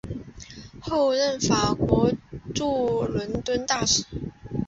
后任法国驻伦敦大使。